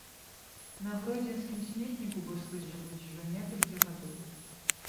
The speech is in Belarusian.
На гродзенскім сметніку буслы жывуць ужо некалькі гадоў.